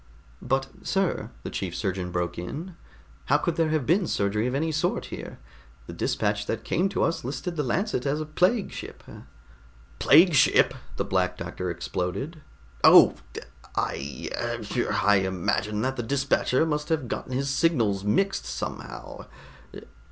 "But sir," the chief surgeon broke in, "how could there have been surgery of any sort here? The dispatch that came to us listed the Lancet as a plague ship " "Plague ship!" the Black Doctor exploded. "Oh, yes. Egad! I hum! imagine that the dispatcher must have gotten his signals mixed somehow.